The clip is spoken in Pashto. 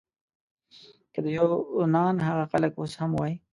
که د یونان هغه خلک اوس هم وای.